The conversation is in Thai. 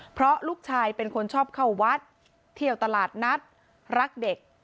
เพราะลูกชายเป็นคนชอบเข้าวัดเที่ยวตลาดนัดรักเด็ก